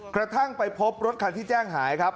กระทั่งไปพบรถคันที่แจ้งหายครับ